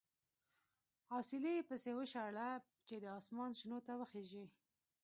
اوسیلی یې پسې وشاړه چې د اسمان شنو ته وخېژي.